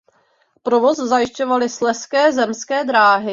Provoz zajišťovaly Slezské zemské dráhy.